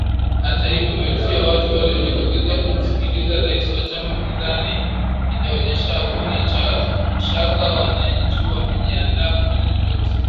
Hata hivyo maelfu ya watu waliojitokeza kumsikiliza rais wa chama pinzani inaonyesha hakuna shaka wananchi wamejiandaa kufanya chochote